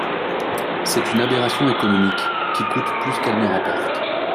C’est une aberration économique, qui coûte plus qu’elle ne rapporte.